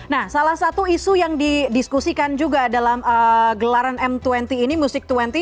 nah salah satu isu yang didiskusikan juga dalam gelaran m dua puluh ini musik dua puluh